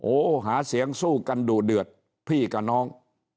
โอ้โหหาเสียงสู้กันดุเดือดพี่กับน้อง